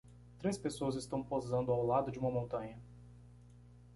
Três pessoas estão posando ao lado de uma montanha.